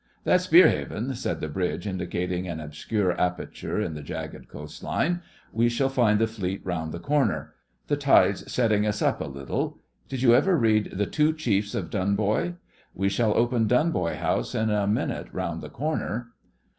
'That's Berehaven,' said the bridge, indicating an obscure aperture in the jagged coast line. 'We shall find the Fleet round the corner. The tide's setting us up a little. Did you ever read "The Two Chiefs of Dunboy?" We shall open Dunboy House in a minute round the corner.